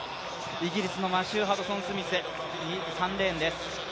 イギリスのマシュー・ハドソンスミス、３レーンです。